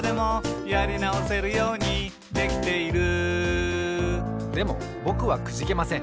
「やりなおせるようにできている」でもぼくはくじけません。